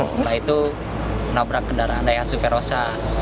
setelah itu menabrak kendaraan daya suferosa